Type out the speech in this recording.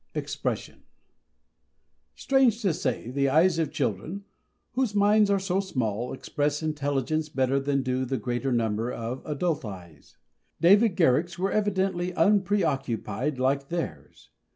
EXPRESSION Strange to say, the eyes of children, whose minds are so small, express intelligence better than do the greater number of adult eyes. David Garrick's were evidently unpreoccupied, like theirs.